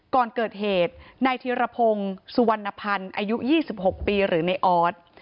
ก่อนเกิดเหตุนายธิรพงศ์สุวรรณภัณฑ์อายุ๒๖ปีหรือในออส